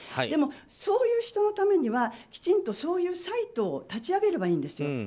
でも、そういう人のためにはきちんとそういうサイトを立ち上げればいいんですよ。